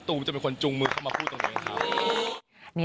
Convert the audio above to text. จะเป็นคนจุงมือเข้ามาพูดตรงไหนครับ